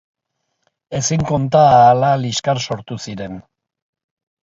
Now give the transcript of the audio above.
Ezin konta ahala liskar sortu ziren.